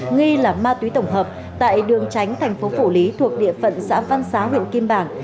nghi là ma túy tổng hợp tại đường tránh thành phố phủ lý thuộc địa phận xã văn xá huyện kim bảng